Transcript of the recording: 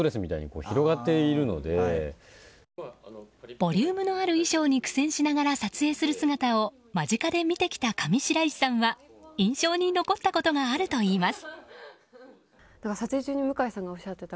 ボリュームのある衣装に苦戦しながら撮影する姿を間近で見てきた上白石さんは印象に残ったことがあるといいます。